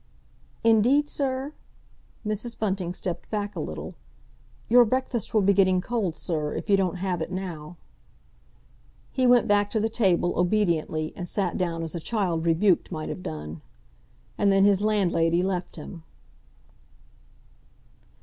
"Indeed, sir?" Mrs. Bunting stepped back a little. "Your breakfast will be getting cold, sir, if you don't have it now." He went back to the table, obediently, and sat down as a child rebuked might have done. And then his landlady left him.